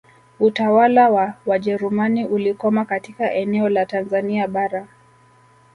Utawala wa Wajerumani ulikoma katika eneo la Tanzania Bara